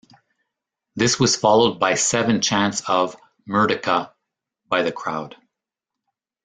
This was followed by seven chants of "Merdeka" by the crowd.